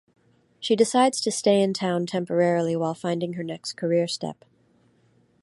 She decides to stay in town temporarily while finding her next career step.